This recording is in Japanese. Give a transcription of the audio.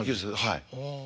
はい。